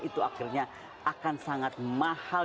itu akhirnya akan sangat mahal